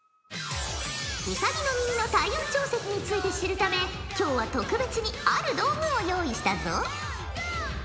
ウサギの耳の体温調節について知るため今日は特別にある道具を用意したぞ！